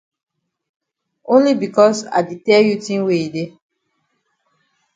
Only becos I di tell you tin wey e dey.